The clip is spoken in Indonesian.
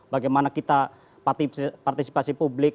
bagaimana kita partisipasi publik